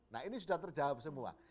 nah ini sudah terjawab semua